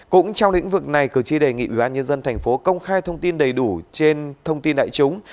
cũng trong lĩnh vực này cử tri đề nghị ubnd tp công khai thông tin đầy đủ trên thông tin đại chúng